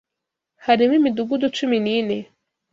harimo imidugudu cumi nine